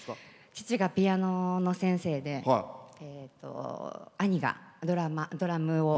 父がピアノの先生で兄がドラムを。